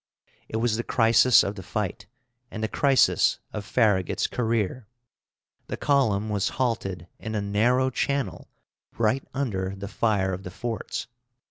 It was the crisis of the fight and the crisis of Farragut's career. The column was halted in a narrow channel, right under the fire of the forts.